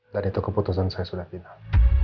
dan itu keputusan saya sudah final